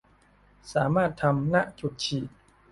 สามารถทำ ณ จุดฉีด